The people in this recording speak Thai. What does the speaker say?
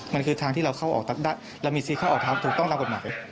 มันคือทางที่เราเข้าออกเรามีซีเข้าออกทางถูกต้องตามกฎหมาย